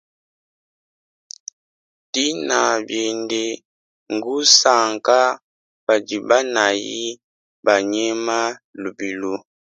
Tina biende ngusanka padi banayi banyema lubilu.